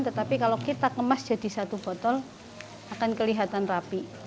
tetapi kalau kita kemas jadi satu botol akan kelihatan rapi